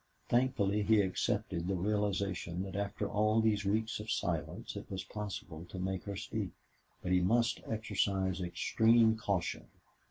Thankfully he accepted the realization that after all these weeks of silence it was possible to make her speak. But he must exercise extreme caution.